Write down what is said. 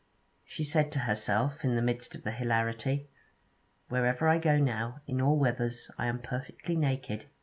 She said to herself, in the midst of the hilarity, 'Wherever I go now, in all weathers, I am perfectly naked!'